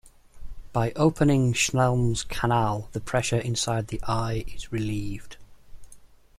By opening Schlemm's canal, the pressure inside the eye is relieved.